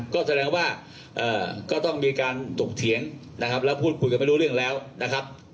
ก็แสดงว่าก็ต้องมีการถกเถียงนะครับแล้วพูดคุยกันไม่รู้เรื่องแล้วนะครับ